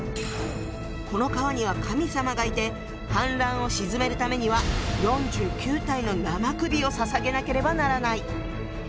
この川には神様がいて氾濫を鎮めるためには４９体の生首を捧げなければならない。